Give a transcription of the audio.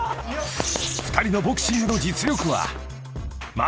［２人のボクシングの実力は？］